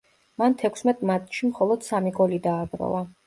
მან თექვსმეტ მატჩში მხოლოდ სამი გოლი დააგროვა.